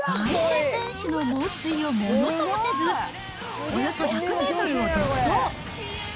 相手選手の猛追をものともせず、およそ１００メートルを独走。